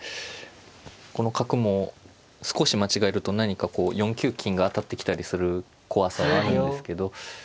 この角も少し間違えると何かこう４九金が当たってきたりする怖さはあるんですけど。